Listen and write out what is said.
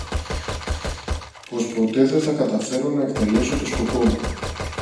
Πως ποτέ δε θα καταφέρω να εκτελέσω το σκοπό μου